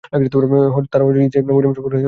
তারা হযরত ঈসা ইবনে মরিয়ম সম্পর্কে খারাপ কথা বলে।